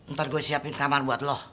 ntar gue siapin kamar buat lo